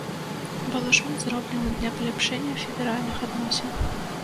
Было шмат зроблена для паляпшэння федэральных адносін.